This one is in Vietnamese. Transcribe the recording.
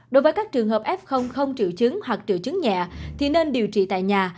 đối với các trường hợp f không triệu chứng hoặc triệu chứng nhẹ thì nên điều trị tại nhà